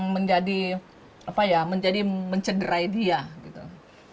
menjadi apa ya menjadi mencegah dia gitu toh soal bersalah atau tidak itu urusan pengadilan